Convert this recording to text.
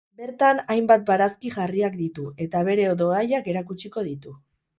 Bertan, hainbat barazki jarriak ditu eta bere dohaiak erakutsiko ditu.